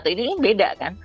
ini beda kan